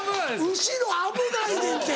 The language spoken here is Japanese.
後ろ危ないねんて！